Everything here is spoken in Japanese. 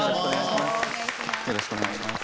よろしくお願いします。